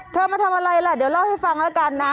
มาทำอะไรล่ะเดี๋ยวเล่าให้ฟังแล้วกันนะ